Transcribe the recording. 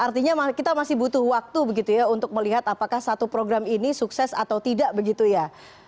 artinya kita masih butuh waktu begitu ya untuk melihat apakah satu program ini sukses atau tidak begitu ya